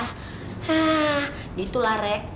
hah gitulah rek